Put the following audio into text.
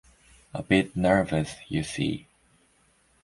A bit nervous, you see.